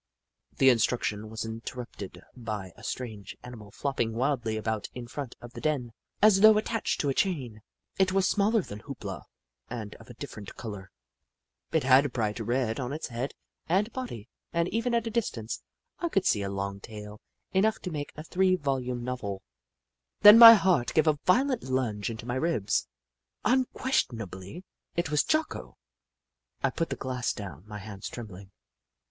The instruction was interrupted by a strange animal flopping wildly about in front of the den, as though attached to a chain. It was smaller than Hoop La and of a different colour. It had bright red on its head and body, and, even at that distance, I could see a tail longr enough to make a three volume novel. Then my heart gave a violent lunge into my ribs. Unquestionably, it was Jocko ! I put the glass down, my hands trembling.